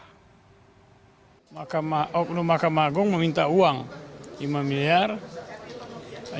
karena oknum mahkamah agung meminta uang lima miliar